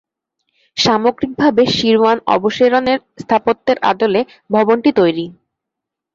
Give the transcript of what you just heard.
সামগ্রিকভাবে শিরওয়ান-অবশেরনের স্থাপত্যের আদলে ভবনটি তৈরি।